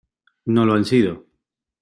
no lo han sido.